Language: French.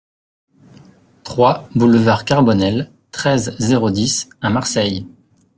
trois boulevard Carbonnel, treize, zéro dix à Marseille